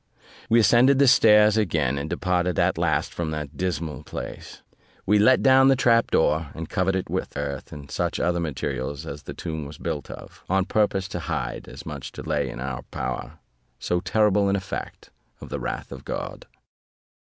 We ascended the stairs again, and departed at last from that dismal place. We let down the trap door, and covered it with earth, and such other materials as the tomb was built of, on purpose to hide, as much as lay in our power, so terrible an effect of the wrath of God.